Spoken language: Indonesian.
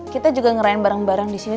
kita juga ngerayain barang barang disini